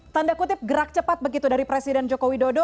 tanda kutip gerak cepat begitu dari presiden joko widodo